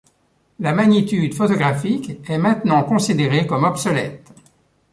La magnitude photographique est maintenant considérée comme obsolète.